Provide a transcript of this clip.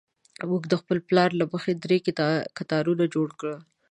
موږ د خپل پلان له مخې درې کتارونه جوړ کړل.